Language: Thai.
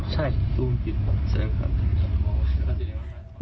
ใช่